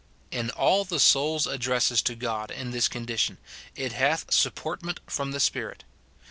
In all the soul's addresses to God in this condi tion, it hath sujjportment from the Spirit.